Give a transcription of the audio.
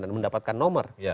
dan mendapatkan nomor